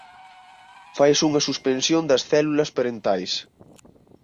Faise unha suspensión das células parentais.